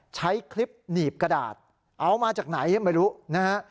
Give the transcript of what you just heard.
ใช้คลิปหนีบกระดาษเอามาจากไหนไม่รู้นะฮะ